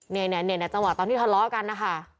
จังหวะตอนที่ทะเลาะกันนะคะ